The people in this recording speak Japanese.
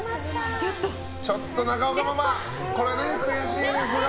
ちょっと中岡ママ悔しいですが。